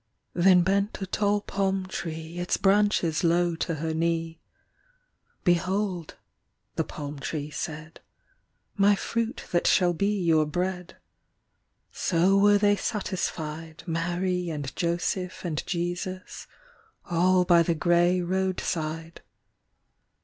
Then bent a tall palm tree Its branches low to her knee; "Behold," the palm tree said, "My fruit that shall be your bread. So were they satisfied, Mary and Joseph and Jesus, All by the grey road side.